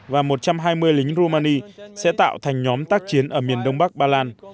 và một trăm hai mươi lính rumani sẽ tạo thành nhóm tác chiến ở miền đông bắc ba lan